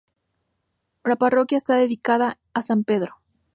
La parroquial está dedicada a San Pedro.